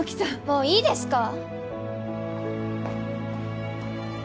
もういいですか？